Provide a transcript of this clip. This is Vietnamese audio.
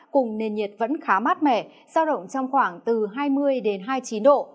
cùng nền nhiệt vẫn khá mát mẻ sao động trong khoảng từ hai mươi đến hai mươi chín độ